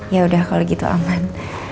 yaudah kalau gitu aman